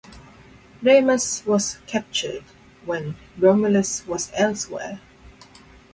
Remus was captured when Romulus was elsewhere.